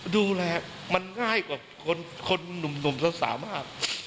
ดูแลมันง่ายกว่าคนหนุ่มจะสามารถ